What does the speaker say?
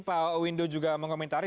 pak windu juga mengkomentari